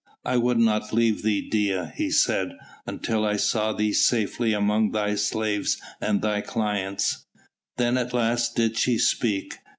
"I would not leave thee, Dea," he said, "until I saw thee safely among thy slaves and thy clients." Then at last did she speak.